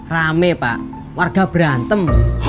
rame pak warga berantem